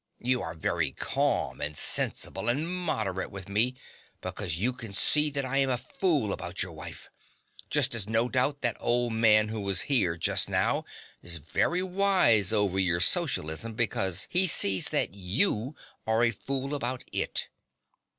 You are very calm and sensible and moderate with me because you can see that I am a fool about your wife; just as no doubt that old man who was here just now is very wise over your socialism, because he sees that YOU are a fool about it.